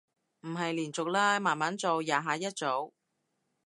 唔係連續啦，慢慢做，廿下一組